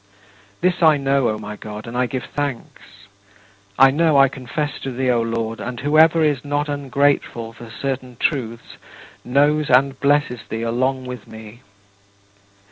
This I know, O my God, and I give thanks. I know, I confess to thee, O Lord, and whoever is not ungrateful for certain truths knows and blesses thee along with me.